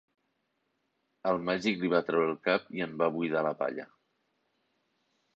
El Màgic li va treure el cap i en va buidar la palla.